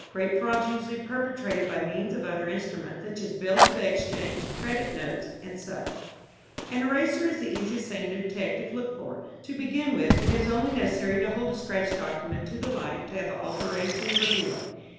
Great frauds are usually perpetrated by means of other instruments, such as bills of exchange, credit notes, &c. An erasure is the easiest thing to detect if looked for. To begin with it is only necessary to hold a scratched document to the light to have the alteration revealed.